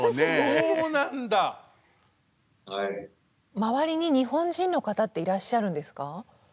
周りに日本人の方っていらっしゃるんですか？